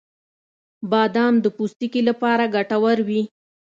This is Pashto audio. • بادام د پوستکي لپاره ګټور وي.